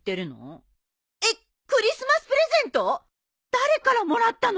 誰からもらったの？